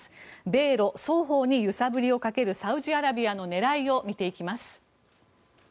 米ロ双方に揺さぶりをかけるサウジアラビアの狙いを見ていきます。